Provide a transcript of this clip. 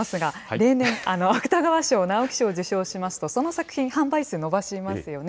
例年、芥川賞、直木賞を受賞しますと、その作品、販売数伸ばしますよね。